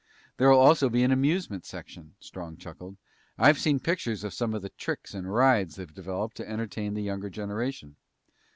There'll also be an amusement section." Strong chuckled. "I've seen pictures of some of the tricks and rides they've developed to entertain the younger generation.